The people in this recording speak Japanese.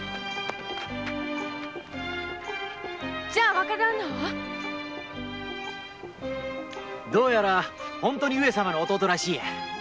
じゃあ若旦那は⁉どうやら本当に上様の弟らしいや。